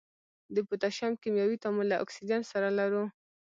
د پوتاشیم کیمیاوي تعامل له اکسیجن سره لرو.